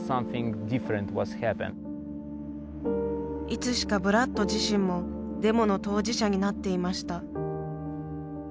いつしかブラッド自身もデモの当事者になっていました。